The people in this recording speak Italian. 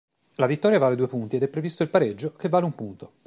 La vittoria vale due punti ed è previsto il pareggio, che vale un punto.